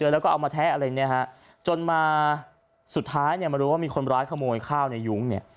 แล้วก็เอามาแทะอะไรเนี่ยฮะจนมาสุดท้ายเนี่ยมารู้ว่ามีคนร้ายขโมยข้าวในยุ้งเนี่ย